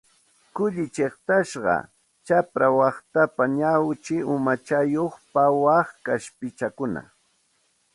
Kullu chiqtasqa, chapra waqtaypi ñawchi umachayuq pawaq kaspichakuna